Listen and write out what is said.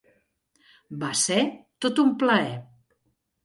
Va ser tot un plaer.